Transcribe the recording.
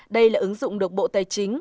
đây là ứng dụng độc bộ tài chính